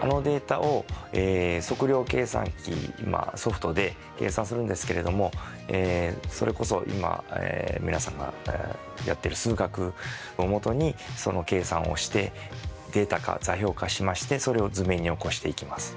このデータを測量計算機ソフトで計算するんですけれどもそれこそ今皆さんがやっている数学をもとにその計算をしてデータ化座標化しましてそれを図面に起こしていきます。